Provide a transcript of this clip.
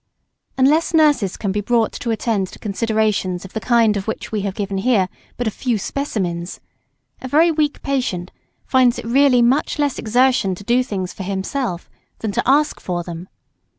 Unless nurses can be brought to attend to considerations of the kind of which we have given here but a few specimens, a very weak patient finds it really much less exertion to do things for himself than to ask for them.